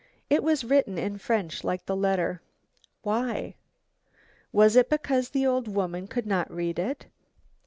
It was written in French like the letter. Why? Was it because the old woman could not read it?